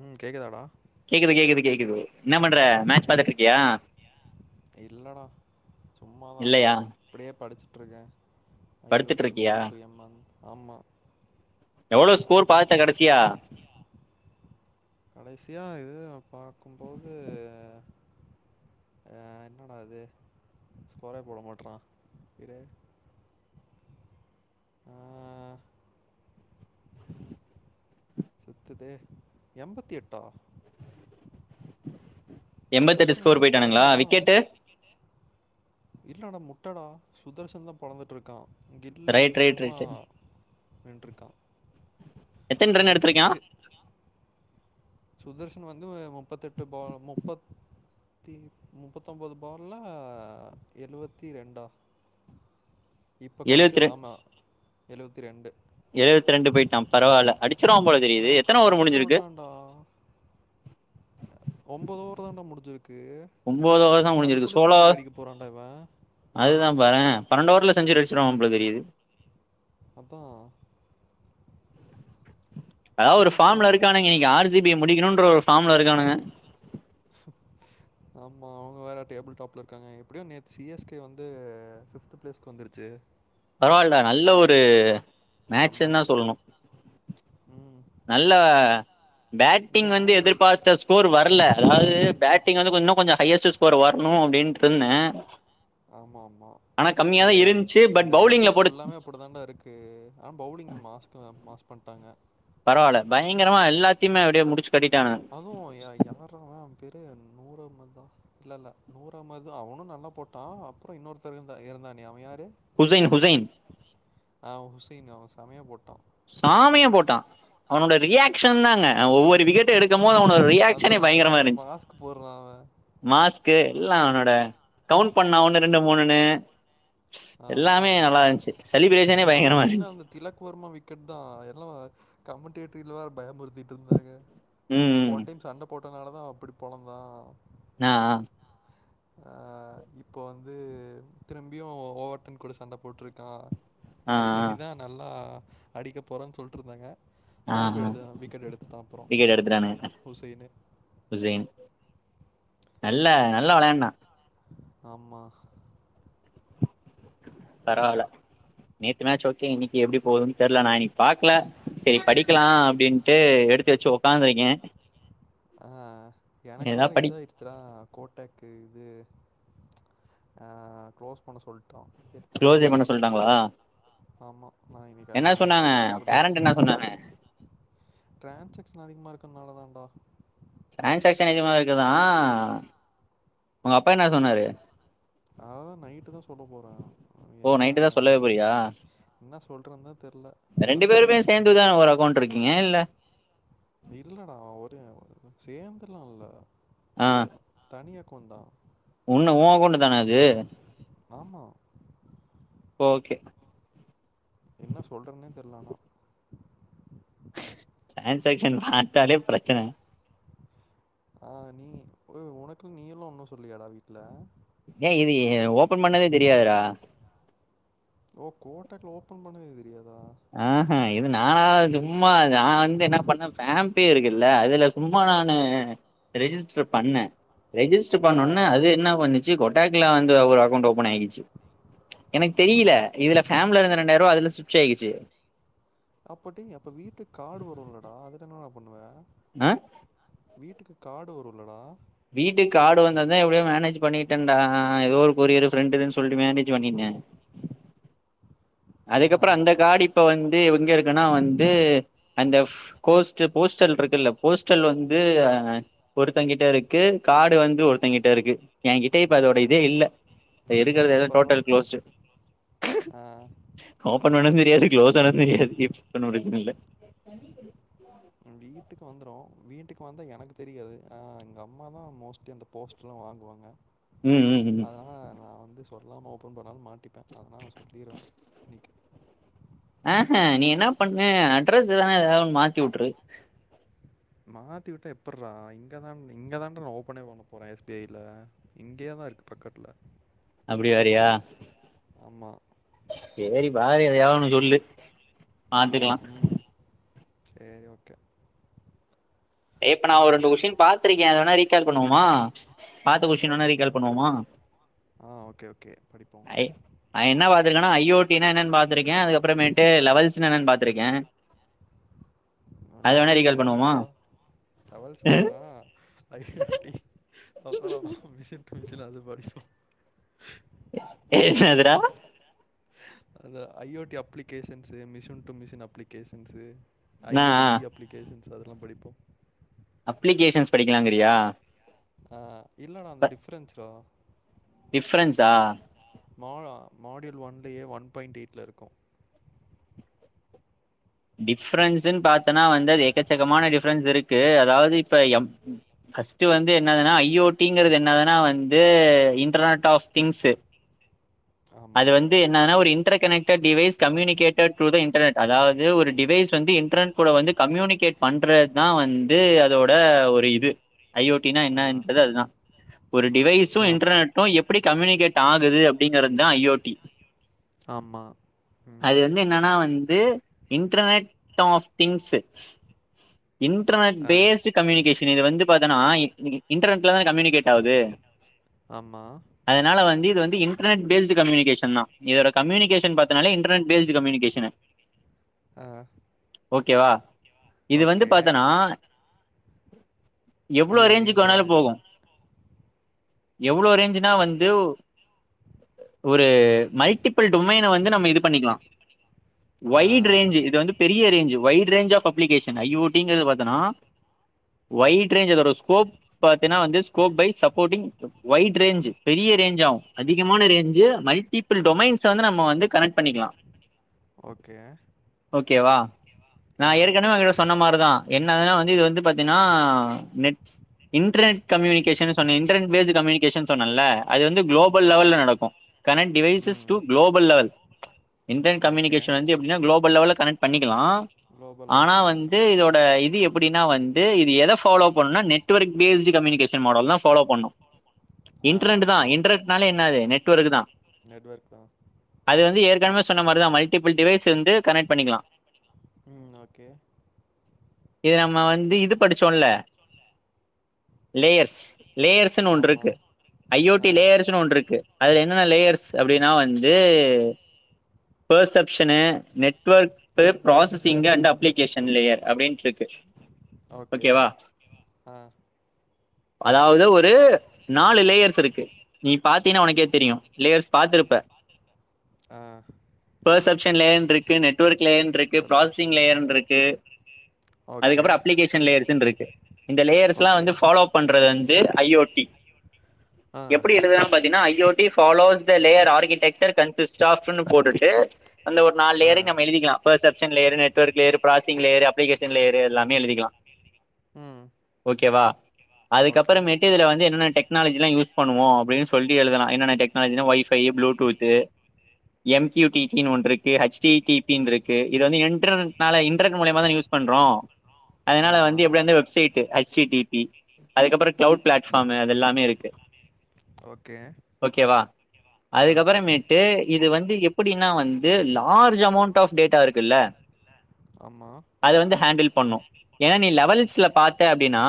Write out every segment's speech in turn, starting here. உம் கேக்குதாடா கேக்குது கேக்குது கேக்குது என்ன பண்ற மேட்ச் பாத்துட்டு இருக்கியா இல்லடா சும்மாதான் இல்லையா இப்படியே படிச்சி ட்டுருக்க ஐயோ படுத்துட்டு டி இருக்கியா எம் டூ எம் என் ஆமா எவ்ளோ ஸ்கோர் பாத்த கடைசியா கடைசியா இது பாக்கும்போது ஆஹ் என்னடா இது ஸ்கோரே போட மாட்றான் இரு ஆஹ் சுத்துதே எம்பத்தி எட்டா எம்பத்தெட்டு சுதர்ஷன் ஸ்கோர் என்ன போய்ட்டானுங்களா பழக்கிறான் விக்கெட்டு இல்லடா முட்டடா சுதர்ஷன்தா பொலந்துட்டுருக்கா கில்லு ரைட் வந்து ரைட் சும்மா ரைட் நின்ருக்கா எத்தன ரன் அடி எடுத்திருக்கா சிக்ஸு சுதர்ஷ் னு வந்து முப்பத்தெட்டு பால் முப்பத் தி முப்பத்தொன்பது பால்ல ஆ எழுவத்தி ரெண்டா இப்ப கடைசி எழுவத்தி ரெ ஆமா எழுவத்தி ரண்டு எழுவத்தி ரண்டு போய்ட்டா பரவால்ல அடி ஏப் பறக்க உட்றாண்டா ஒம்போது ஓவர் தாண்டா முடிஞ்சிரு ஒம்போது ஓவர்தா முடிஞ்சிருக்கு சோளோ அடிக்க போகிறான்டா இவன் அதுதா பாறே பண்ணண்டு ஓவர்ல செஞ்சுரி அடிச்சிருவா போல தெரிது அதா அதா ஒரு ஃபாம்ல பொழக்கிறான் இருக்கானுங்க இன்னிக்கு ஆர் சி பி ய முடிக்கணும்ன்ற ஒரு ம்ல இருக்கானுங்க மா அவங்க வேற டேபிள் டாப்ல இருக்காங்க எப்டியும் நேத்து சி எஸ் கே வந்து பிப்த்து பிளேஸ்கு வந்துருச்சு பரவால்லடா நல்ல ஒரு மேட்ச்னுதா கம்பேக்கு சொல்ணு ம் நல்ல இது பேட்டிங் வந்து ஆனால் என்ன எதிர்பார்த்த ஸ்கோர் வரல அதாவது பேட்டிங் வந்து கொ இன்னு கொஞ்ச ஹையஸ்ட்டு ஸ்கோர் வரணு அப்டிருந்த [inaudible] ஆமா ஆமா ஏ இந் இருந்துச்சு பட் இந்த ஐ பி பவுலிங்ல எல் போட்டு ஃபுல்லாமே அப்படி தான்டா இருக்கு ஆனா பவுலிங் மாஸ்து மாஸ் பண்ட்டாங்க பரவால்ல பயங்கரமா எல்லாத்தயுமே அப்டே முடிச் அதுவு யா யாரா பெரு நூறு அஹமதுதா இல்ல இல்ல நூறு அஹமது அவனு நல்லா போட்டா அப்பற இன்னொருத்தரு இருந்த இருந்தானே அவ யாரு ஹுசைன் ஹுசைன் [unintelligible] சமய போட்டோ சாமையா போட்டா அவனோட ரியாகஷன் தாங்க ஒவ்வொரு விக்கெட்டு எடுத் க்கும்போது அவன ரியாக்சனே அதான் பயங்கரமா அவன் இருந்ச்சு மாஸ்க் போடுறான் அவன். மாஸ்கு இல்ல அவனோட கவுண்ட் பண்ணா ஒண்ணு ரெண்டு மூணுன்னு ஆஹ் எல்லாமே அதான் நல்லா இருந்துச்சு [unintelligible] செலிப்ரேஷனே அதுவும் பயங்கரமா மெயினா இருந்துச்சு அந்த திலக்வர்மா விக் கெட் தான் எல்லா கமண்டேட்டரில வேற பயமுறுத்திட்டு இருந்தாங்க ம் போண ம் டைம் சண்ட போட் போட்டனால தான் அப்படி பொலந்தா அஅ ஆ இப்போ வந்து திரும்பியும் ஓவர்டன் கூட சண்ட போட்டிருக்கா ஆ ஆ இ ஆ இனிதான் நல்லா அடிக்க போறேன்னு சொல்ட்டு ருந்தாங்க ஆ அவுட் ஆ எடுத்ததுனா விக்கெட் எடுத்துட்டா அப்பொறோ விக்கெட் எடுத்துட்டானுங்க ஹுசைன்னு ஹுசைன் நல்ல நல்லா விளையாண்டா ஆமா பரவால்ல நேத்து மேச் ஓகே இன்னிக்கு எப்டி போகுதுன்னு தெரியல நான் இன்னைக்கு பாக்ல சரி படிக்கலா அப்டின்ட்டு எடுத்து வச்சு உக்காந்துருக்கே ஆ எனக்கு ஏதா வேற படி இதாயிடுச்சுடா கோட்டாக்கு இது அ க்ளோஸ் பண்ண சொல்டோ க்ளோஸே எறிச்சலாவுது பண்ண சொல்ட்டாங்களா ஆமா நான் இன்னக்கு என்ன நைட் சொன்னாங்க அப்பாட்ட சொல்லிறனு பேரண்ட் என்ன சொன்னாங்க ட்ரான்ஸா [unintelligible] அதிகமாயிருக்குரனால தாண்டா டிரான்ஸாக்ஷன் அதிகமா இருக்குதான் வுங்க அப் அதான் நைட்டு தான் சொல்ல போறே ஓ என்ன நைட்டு தா சொல்லவே போறியா அசிங்கமாயிருக்கு என்ன சொல்றதுதா தெரில ரெண்டு இதெல்லாம் தெரிஞ்ச பேருமே அசிங்க சேந்துதா ஒரு அக்கௌண்ட் இருக்கீங்க இல்ல இல்லடா ஓரே சேர்ந்துலா இல்ல ஆ ஒரு தனிய அக் கொந்தா [unintelligible] உன்னு ஓ அக்கொண்டு தானா அது ஆமா ஓகே என்ன சொல்றதுனே தெர்ல ஆனா டிரான்சாக்க்ஷன பாத்தாலே பிரச்சனை ஆ நீ உனக்குன்ன நீயேலாம் ஒண்ணு சொல்லயாடா வீட்ல ஏ இது ஓபன் பண்ணதே தெரியாதுடா ஓ கோட்டாக்குல ஓப்பன் பண்ணதே தெரியாதா ஆஹ்ஹ இது நான சும்மா நான் வந்து என்ன பண்ணேன் பேம்பி இருக்குல்ல அதுல சும்மா நானூ ரிஜிஸ்டர் பண்ணே ரெஜிஸ்டர் ஆ பண்ணுன அது என்ன பண்ணுச்சி ச்சி கொட்டாக்ல வந்து ஒரு அக்கௌண்ட் ஓபன் ஆகிச்சு எனக்கு தெரியல இதுல பேம்ல ரெண்டாயரூவா அதுல சிப்ட் ஆகிச்சு அப்படி அப்ப வீட்டுக்காடு வரும்லடா அந்த டைம்லயென்ன கொண்டுவா நா வீட்டுக்கு காடு வருல்லடா வீட்டுக்கு காடு வந்ததான் எப்டியோ மேனேஜ் பண்ணிட்டேன்டா ஏதோ ஒரு கொரியரு ஃப்ரெண்டுதுன்னு சொல்ட்டு மேனேஜ் பண்ணிட்டேன் ஆஹா அதுக்கப்புறம் அந்த காடு இப்பவந்து தேவ் இங்க இருக்கன்னா வந்து அந்த கோஸ்ட் போஸ்டல் இருக்குல்ல போஸ்டல் வந்து ஒருத்தங்ககிட்ட இருக்கு கார்டுவந்து ஒருத்தங்கிட்ட இருக்கு என்கிட்ட இப்ப அதோட இதே இல்ல இருக்கிறது எது சூப்பர்டா டோட்டல் க்ளோஸ்டு ஆ ஓபன் பண்ணதும் தெரியாது க்ளோஸ் ஆனுதும் தெரியாது [unintelligible] பிரச்சனை இல்ல என் வீட்டுக்கு வந்துரும் வீட்டுக்கு வந்தா எனக்கு தெரியாது ஆஹ் எங்க அம்மா தான் மோஸ்ட் அந்த போஸ்ட் எல்லாம் வாங்குவாங்க ம் ம் ம் அதனால நான் வந்து சொல்லாம ஓப்பன் பண்ணாலு மாட்டிப்ப அதனால நா சொல்லிருவ இன்னிக்கு அஹா நீ என்ன பண்ணு அட்ரஸ் தான ஏதாவதுதொன்னு மாத்திவுட்டுரு மாத்திவிட்ட எப்புட்றா இங்கதா இங்கதான்டா நா ஓபனே பண்ண போறே எஸ் பி ஐ ல இங்கேயே தா இருக்கு பக்கத்துல அப்டி வரியா ஆமா சேரி பாரு எதையாதுதொன்னு சொல்லு பாத்துக்கலா சேரி ஓகே இப்ப நா ஆ ஒரு ரெண்டு கெஸ்டீன் பாத்திருக்க அதவேனா ரீக் கேல் பண்ணுவோமா பாத்த ம் கோஷின்வேன்னா ரீக்கால் ஓகேடா பண்ணுவோமா ஆ ஓகே ஓகே படிப்போம் ஐ ஐயென்ன பாத்துருக்கேனா ஐஓடி என்னன்னு பாத்திருக்கேன் அதுக்கப்புறமேட்டு லெவல்ஸ்னா என்னன்னு பாத்திருக்க அது வேணா லெவல்ஸ் ரீகால் பண்ணுவோமா வேணாம்டா லெவல்ஸ் வேணா ஐ ஓ டி அப்புற மிஷின் டு மிஷின் அது படிப்போ என்னாதுடா அந்த I O T applications machine to machine applications ஐ நா ஓ இ அப்ளிகேஷன்ஸ் அதெ எல்லாம் படிப்போம் அப்ளிகேஷன்ஸ் படிக்கலாங்கிறியா ஆஹ் இல்லடா அந்த டிஃப்ரென்ஸ்டா டிஃப்ரென்ஸா மா மாடியூல் ஒன்லயே ஒன் பாயிண்ட் எயிட்ல இருக்கு டிஃப்ரென்ஸ்ன்னு பாத்தன்னா வந்து அது எக்கச்சக்கமான டிஃப்ரென்ஸ் இருக்கு அதாவது இப்ப எம் ஃபர்ஸ்ட் வந்து என்னதுன்னா ஐ ஓ டி ங்கறது என்னதுன்னா வந்து இன்டர்நெட் ஆஃப் திங்ஸ் அது ஆமாம் வந்து என்னதுனா ஒரு interconnected device communicated to the internet அதாவது ஒரு டிவைஸ் வந்து இன்டர்நெட்கூட வந்து கம்யூனிகேட்பண்றது தா வந்து அதோட ஒரு இது ஐ ஓ டினா ஆ என்ன என்பது அதுதான் ஒரு டிவைஸும் ஆமாம் இன்டர்நெட்டும் எப்டி கம்யூனிகேட் ஆகுது அப்படிங்கற ஐ ஓ டி ஆமாம் ம் அது வந்து என்னன்னா வந்து internet of things internet ஆ பேஸ் கம்யூனிகேஷன் இது வந்து பாத்தன்னா நீ இண்டர்னெட் தான கம்யூனிகேட் ஆகுது ஆமாம் அதனால வந்து வந்து இன்டர்நெட் பேஸ்ட் கம்யூனிகேஷன் தான் இதுதோட கம்யூனிகேஷன் பாத்தனால்லா இன்டர்நெட் பேஸ்ட் கம்யூனிகேஷன் ஆஹ் ஓகேவா இது வந்து பாத்தன்னா [inaudible] எவ்ளோ இது ரேஞ்சுக்கு இந்த வேணாலும் போகும் எவ்ளோ ரேஞ்சுனா வந்து ஒரு மல்டிபிள் டுமைன வந்து நம்ம இது பண்ணிக்கலாம் ஆ வைட் ரேஞ்ச் இது வந்து பெரிய range wide range of publication I O T ங்கரந்த பத்தனா வைட் ரேஞ்சு அதோட ஸ்கோப் பாத்தின வந்து scope by supporting wide range பெரிய ரேஞ்ச் அவ்வும் முக்கியமான ரேஞ்சு மல்டிபிள் டொமைன்ஸ வந்து நம்ம வந்து கனக்ட் பண்ணிக்கலாம் ஓகே ஓகேவா ஆ நான் ஏற்கனவே உங்கிட்ட சொன்ன மாரிதா என்னதுன்னா வ ந்து இதுல வந்து பாத்தீன்னா நெட் இன்டர்நெட் கம்யூனிகேஷன் சொன்னேன் இண்டர்நெட் பேஸ்ட் கம்யூனிகேஷன் சொன்னல்ல அது வந்து குளோ பல் லெவல்ல நடக்கும் கனெக்ட் டிவைசஸ் ம் to global level internet okay communication வந்து எப்டினா குளோபல் லெவல கணக்ட் பண்ணி வைக்லாம் குளோபல் ஆனா லெவலில் கனெக்ட் வந்து பண்ணிக்கலாம் இதோட இது எப் டினா வந்து இது எதை ஃபாலோ பண்ணும்னா நெட்ஒர்க் பேஸ்ட் கம்யூனிகேஷன் மாடல் தான் ஃபாலோ பண்ணும் ஆ இன்டர்நெட் தான் ஓகே இன்டர்ரெட் என்னது நெட்வொர்க் தா நெட்வொர்க் தான் அது வந்து ஏற்கனவே அப் சொன்ன மாதிரிதா மல்டிபிள் டிவைஸ் வந்து கனெக்ட் பண்ணிக்கலா ம் ஓகே இது நம்ம வந்து இது படிச்சோல லேயர்ஸ் லேயர்ஸ் ஒன்று இருக்கு ஆமாம் ஐ ஓ ஆ டி லேயர்ஸ் ஒன்று இருக்கு. அதுல என்னென லேயர்ஸ் அப்படின்னா வந்து perception, network, processing, and application layer அப்படின்ட்டு இருக்கு. ஓகே ஓகேவா அ அதாவது ஒரு நாலு லேயர்ஸ் இருக்கு நீ பாத்தீனா உனக்கே தெரியோ லேயர்ஸ் பாத்துருப்ப அ பெர்சப்ஷன் லேயர்ற்னு இருக்கு நெட்வொர்க் லேயர்ன்று இருக்கு. பர்செப்ஷன் ப்ராசஸிங் லேயர்னு லேயர் இருக்கு. ப்ராஸசிங் லேயர்னு இருக்கு. ஓகே அதுக்கப்புறோ அப்ளிகேஷன் லேயர்ஸ்ன்று இருக்கு இந்த லேயர்ஸ்லா ஓகே வந்து ஃபாலோ பண்றது வந்து இது ஐயோட்டி ஆ எப்படி எழுதுலானு பாத்தீனா ஐயோ the follows the layer architecture consist ஆஃப்னு போட்டுட்டு அந்த ஒரு நாலு ஆ லேயரையும் நம்ம எழுதிக்கலா perception layer, network layer,, processing layer, application layer எல்லாமே எழுதிக்கலா ம் ஓகேவா ஓகே அதுக்கப்புறமேட்டு இதுல வந்து என்னனென்ன டெக்னாலஜி இதான் யூஸ் ஒர்க் பண்ணுவோ அப்படின்னு சொல்லி எழுதலா. என்னென்ன டெக்னாலஜினால் வைஃபை, ப்ளூடூத்து, எம்கயூடடிகீனு ஒன்றிருக்கு ஹச் டி டீ பீனு இருக்கு. இது வந்து இன்ட்டர்னெட்னால இன்டரனெட் மூலியமா தானே யூஸ் பண்றோ அதனால வந்து ஆமாம் எப்படி வந்த website H T P P அதுக்கப்புறோ க்ளவுட் பிளாட்ஃபார்ம் அதெல்லாமே இருக்கு ஓகே ஓகேவா ஆ அதுக்கப்புறமேட்டு இது வந்து எப்படீன்னா வந்து லார்ஜ் அமௌண்ட் ஆஃப் டேட்டா இருக்குல்ல ஆமாம் அது வந்து ஹேண்டில் பண்ணோ ஏன்னா நீ லெவல்ஸ்ல பாத்த அப்படின்னா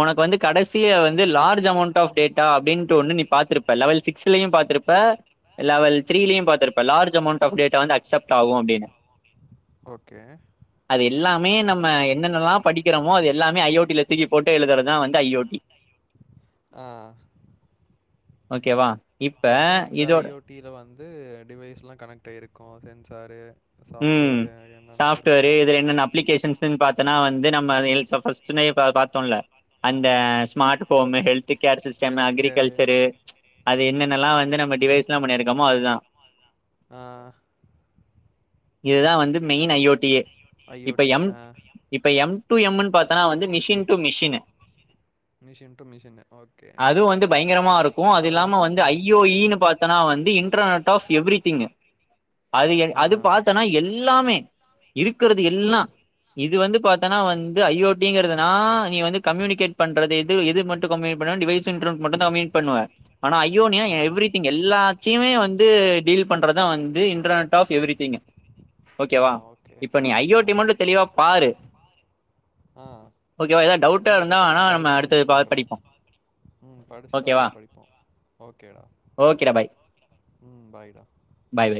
உனக்கு வந்து கடைசிய வந்து large amount of data data அப்படின்ற ஒன்னு நீ பாத்திருப்ப. லெவல் சிக்ஸ்லயு பாத்திருப்ப, லெவல் த்ரீலயு பாத்திருப்ப. லார்ஜ் அமௌன்ட் ஆஃப் டேட்டா வந்து அக்சப்ட் ஆகோ அப்படின்னு ஓகே எல்லாமே நம்ம என்னென்னெல்லா படிக்கறோமோ அது எல்லாமே ஐ ஓ டி ல தூக்கி போட்டு எழுதுறதுதா வந்து ஐ ஓ டி அ ஓகேவா இப்ப அப்புறோ இந்த இதோ ஐ ஓ டி ல வந்து டிவைஸ் எல்லாம் கனெக்ட் ஆயிருக்கோ சென்சாரு உம் சாஃப்ட்வேரு என்னென்னமோ இருக்கும் சாஃப்ட்வேரு. இதுல என்னென்ன அப்ளிகேஷன்ஸ் இருக்குன்னு பாத்தனா வந்து நம்ம எல்ஸ் ஃபர்ஸ்ட்லையே பா பாத்தோம்ல்ல அந்த ஸ்மார்ட் ‌போமு ஹெல்த் [unintelligible] கேர் சிஸ்டமு அக்ரிகல்ச்சரு ச் அது என்ன என்னல்லாம் வந்து நம்ம டிவைஸ் எல்லாம் பண்ணிருக்கமோ அதுதான் ஆஹ் இதுதான் வந்து மெயின் ஐயோட்டியே இப்ப யம் இப்ப யம் டு எம்னு பாத்தனா வந்து மிஷின் டு மிஷின்னு மிஷின் டு மிஷின்னு ஓகே அது வந்து பயங்கரமா இருக்கும் அது இல்லாம வந்து ஐயோ இ னு பார்த்தனா வந்து இன் இன்டர்னட் ஆஃப் எவ்ரிதிங்கு அது என் ஆ அது பாத்தனா எல்லாமே இருக்கறது எல்லாம் இது வந்து பாத்தன்னா வந்து ஐயோ டிங்கறதுனா நீ வந்து கம்யூனிகேட் பண்றது எது எது மட்டும் கம்யூனிக் பண்ணறனா டிவைஸ் இன்டர்நெட் மட்டும் தான் கம்யூனிகட் பண்ணுவ ஆனா ஐயோனா ஆ எவ்ரிதிங் எல்லாத்தையுமே வந்து டீல் பண்றதுதான் வந்து இன்டர்நெட் ஆஃப் எவ்ரிதிங் ஆ ஓகேவா ஓகே இப்ப நீ ஆ ஐயோடி மட்டும் தெளிவா பாரு ஓகே அதுக்கப்பறம் நான் படிச்சுட்டு வந்து சொல்றேன் படிப்போ ம் படிச்சுட்டு ஓகேவா அப்பறம் படிப்போம் ஓகேடா ஓகேடா பாய் ம் பாய்டா பாய் பாய்